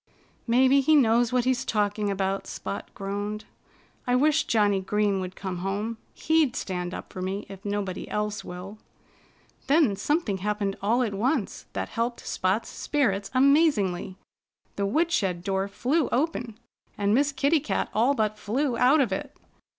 "Maybe he knows what he's talking about," Spot groaned. "I wish Johnnie Green would come home. He'd stand up for me, if nobody else will." Then something happened all at once that helped Spot's spirits amazingly. The woodshed door flew open and Miss Kitty Cat all but flew out of it.